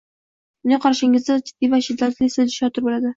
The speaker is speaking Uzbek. dunyoqarashingizda jiddiy va shiddatli siljish sodir bo‘ladi.